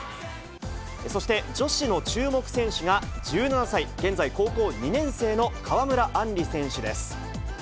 そして女子の注目選手が１７歳、現在高校２年生の川村あんり選手です。